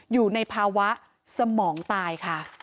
อยู่ในภาวะสมองตายค่ะ